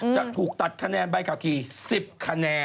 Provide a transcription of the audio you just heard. จะถูกตัดคะแนนใบขับขี่๑๐คะแนน